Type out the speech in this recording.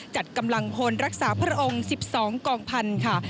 จัดกำลังพลรักษาพระองค์๑๒กองพันธุ์ค่ะ